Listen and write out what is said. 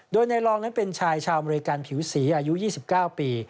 โดยในรองนั้นเป็นชายชาวอเมริกันผิวสีอายุ๒๙ปี